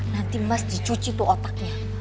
nanti mas dicuci tuh otaknya